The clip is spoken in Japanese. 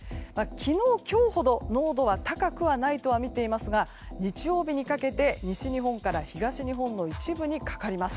昨日、今日ほど濃度は高くはないとは見ていますが日曜日にかけて西日本から東日本の一部にかかります。